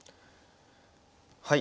はい。